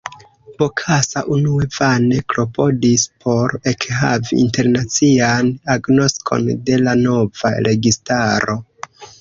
Bokassa unue vane klopodis por ekhavi internacian agnoskon de la nova registaro.